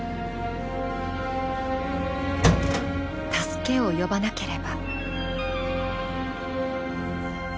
助けを呼ばなければ。